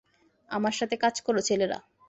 আমার সাথে কাজ করো, ছেলেরা।